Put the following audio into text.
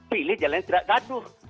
pilih jalan yang tidak gaduh